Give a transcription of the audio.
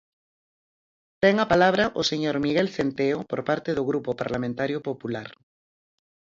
Ten a palabra o señor Miguel Centeo por parte do Grupo Parlamentario Popular.